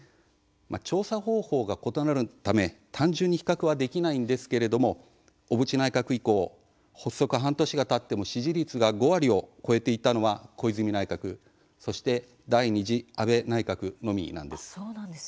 調査方法が異なるため単純に比較はできないんですけれども小渕内閣以降発足半年がたっても支持率が５割を超えていたのは小泉内閣、そして第２次安倍内閣のみなんです。